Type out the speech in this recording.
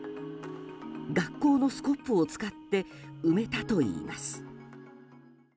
学校のスコップを使って埋めたといいます。